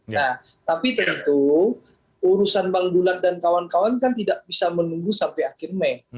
nah tapi tentu urusan bang bulat dan kawan kawan kan tidak bisa menunggu sampai akhir mei